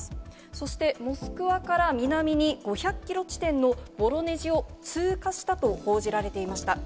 そしてモスクワから南に５００キロ地点のボロネジを通過したと報じられていました。